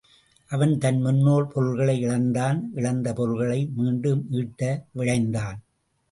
அவன் தன் முன்னோர் பொருள்களை இழந்தான் இழந்த பொருள்களை மீண்டும் ஈட்ட விழைந்தான்.